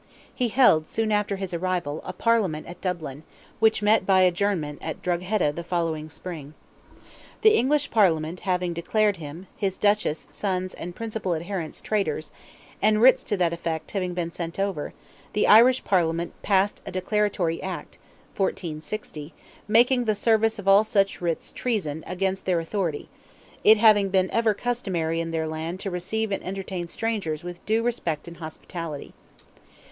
He held, soon after his arrival, a Parliament at Dublin, which met by adjournment at Drogheda the following spring. The English Parliament having declared him, his duchess, sons, and principal adherents traitors, and writs to that effect having been sent over, the Irish Parliament passed a declaratory Act (1460) making the service of all such writs treason against their authority—"it having been ever customary in their land to receive and entertain strangers with due respect and hospitality."